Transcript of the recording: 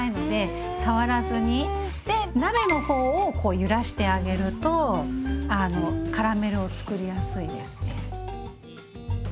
で鍋の方をこう揺らしてあげるとカラメルをつくりやすいですね。